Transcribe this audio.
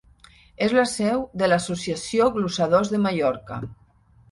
És la seu de l'associació Glosadors de Mallorca.